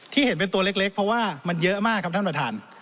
เห็นเป็นตัวเล็กเพราะว่ามันเยอะมากครับท่านประธาน